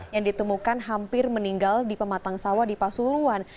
yang ditemukan hampir meninggal di pematang sawah di pasuruan